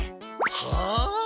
はあ！？